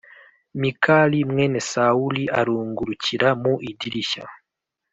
Mikali mwene Sawuli arungurukira mu idirishya